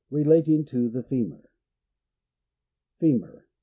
— Relating to the femur. Femur.